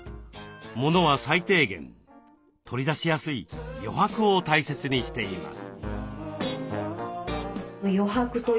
モノは最低限取り出しやすい「余白」を大切にしています。